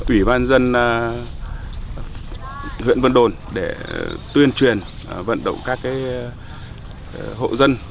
ủy ban dân huyện vân đồn để tuyên truyền vận động các hộ dân